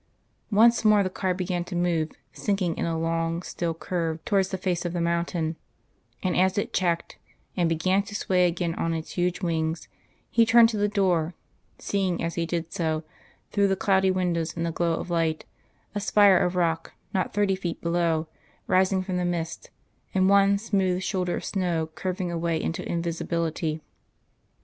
Once more the car began to move, sinking in a long still curve towards the face of the mountain; and as it checked, and began to sway again on its huge wings, he turned to the door, seeing as he did so, through the cloudy windows in the glow of light, a spire of rock not thirty feet below rising from the mist, and one smooth shoulder of snow curving away into invisibility.